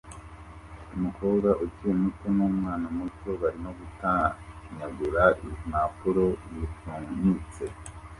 Umukobwa ukiri muto nu mwana muto barimo gutanyagura impapuro zipfunyitse